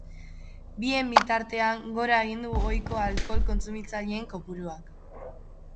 Bien bitartean, gora egin du ohiko alkohol kontsumitzaileen kopuruak.